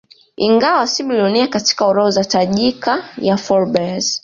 Ingawa si bilionea katika orodha tajika ya Forbes